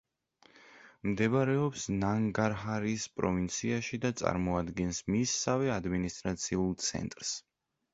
მდებარეობს ნანგარჰარის პროვინციაში და წარმოადგენს მისსავე ადმინისტრაციულ ცენტრს.